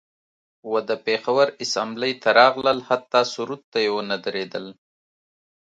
و د پیښور اسامبلۍ ته راغلل حتی سرود ته یې ونه دریدل